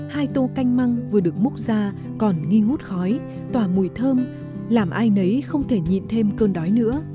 hai tô canh măng vừa được múc ra còn nghi ngút khói tỏa mùi thơm làm ai nấy không thể nhìn thêm cơn đói nữa